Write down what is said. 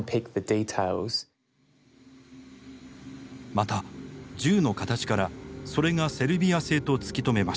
また銃の形からそれがセルビア製と突き止めました。